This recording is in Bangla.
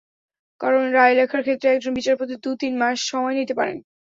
কারণ, রায় লেখার ক্ষেত্রে একজন বিচারপতি দু-তিন মাস সময় নিতে পারেন।